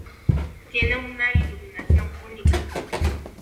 Tiene una iluminación única.